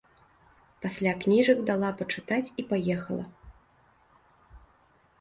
Пасля кніжак дала пачытаць і паехала.